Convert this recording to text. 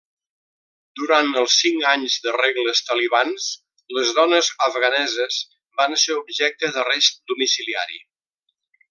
Durant els cinc anys de regles talibans, les dones afganeses van ser objecte d'arrest domiciliari.